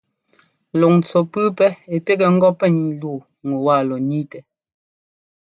Luŋntsu pʉ́ʉpɛ́ ɛ́ pigɛ ŋgɔ pɛ́ lɔɔ ŋu wa lɔ ńniitɛ.